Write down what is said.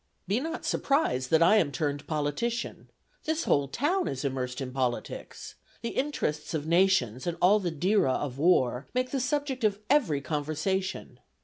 "Be not surprised that I am turned politician. This whole town is immersed in politics. The interests of nations, and all the dira of war, make the subject of every conversation.